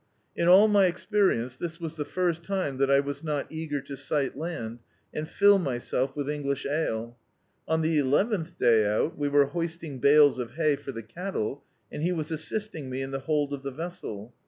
In all my experience this was the first time that I was not eager to sight land, and fill myself with English ale. On the eleventh day out, we were hoisting bales of hay for the cattle, and he was assisting me in the bold of the vessel.